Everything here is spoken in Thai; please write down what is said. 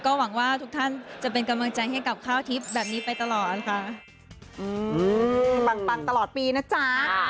หวังว่าทุกท่านจะเป็นกำลังใจให้กับข้าวทิพย์แบบนี้ไปตลอดค่ะอืมปังปังตลอดปีนะจ๊ะ